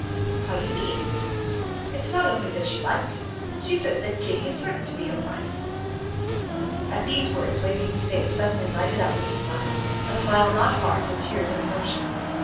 "How do you mean?" "It's not only that she likes you—she says that Kitty is certain to be your wife." At these words Levin's face suddenly lighted up with a smile, a smile not far from tears of emotion.